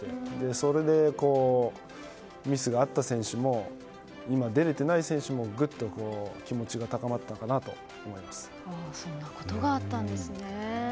それで、ミスがあった選手も今、出られていない選手もぐっと気持ちがそんなことがあったんですね。